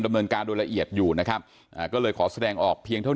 ดำเนินการโดยละเอียดอยู่นะครับอ่าก็เลยขอแสดงออกเพียงเท่า